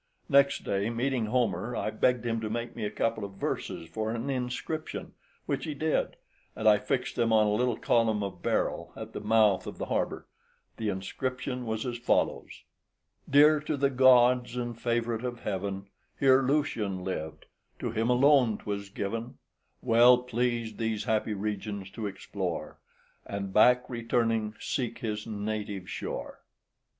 Next day, meeting Homer, I begged him to make me a couple of verses for an inscription, which he did, and I fixed them on a little column of beryl, at the mouth of the harbour; the inscription was as follows: "Dear to the gods, and favourite of heaven, Here Lucian lived: to him alone 'twas given, Well pleased these happy regions to explore, And back returning, seek his native shore."